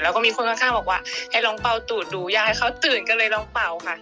แล้วก็มีคนค่อนข้างบอกว่าให้ลองเป่าตูดดูอยากให้เขาตื่นก็เลยลองเป่าค่ะ